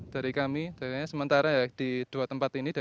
dari kami jadinya sementara ya di dua tempat ini